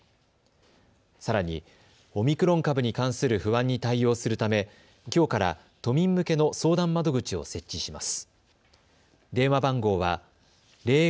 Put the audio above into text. さらにオミクロン株に関する不安に対応するためきょうから都民向けの相談窓口を設置します。